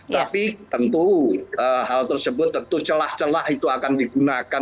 tapi tentu hal tersebut tentu celah celah itu akan digunakan